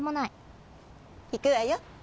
いくわよ。